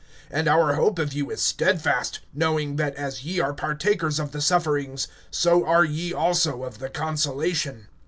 (7)And our hope of you is steadfast, knowing, that as ye are partakers of the sufferings, so are ye also of the consolation.